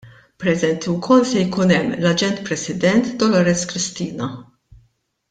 Preżenti wkoll se jkun hemm l-Aġent President Dolores Cristina.